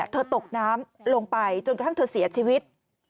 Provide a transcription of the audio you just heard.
ตกน้ำลงไปจนกระทั่งเธอเสียชีวิต